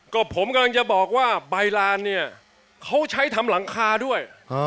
ก็ผมกำลังจะบอกว่าใบลานเนี่ยเขาใช้ทำหลังคาด้วย